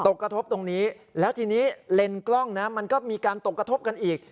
กระทบตรงนี้แล้วทีนี้เลนส์กล้องนะมันก็มีการตกกระทบกันอีก